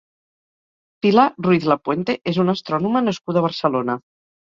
Pilar Ruiz-Lapuente és una astrònoma nascuda a Barcelona.